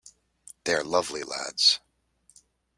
They are lovely lads.